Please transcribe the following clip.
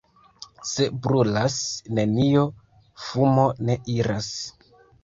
Se brulas nenio, fumo ne iras.